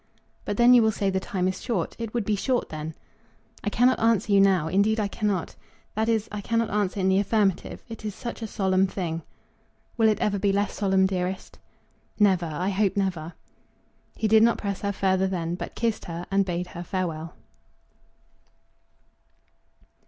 "But then you will say the time is short. It would be short then." "I cannot answer you now; indeed, I cannot. That is I cannot answer in the affirmative. It is such a solemn thing." "Will it ever be less solemn, dearest?" "Never, I hope never." He did not press her further then, but kissed her and bade her farewell.